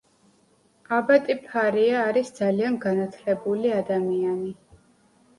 აბატი ფარია არის ძალიან განათლებული ადამიანი.